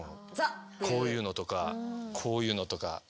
こういうのとかこういうのとか。